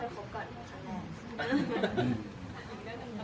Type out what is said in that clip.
ที่เป็นข้อความที่แบบได้เห็น